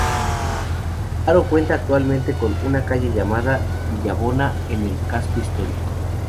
Haro cuenta actualmente con una calle llamada "Villabona" en el casco histórico.